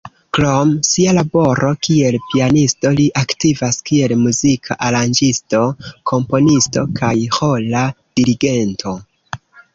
Krom sia laboro kiel pianisto li aktivas kiel muzika aranĝisto, komponisto kaj ĥora dirigento.